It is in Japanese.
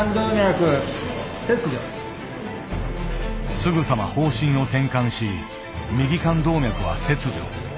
すぐさま方針を転換し右肝動脈は切除。